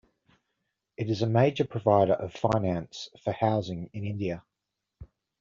It is a major provider of finance for housing in India.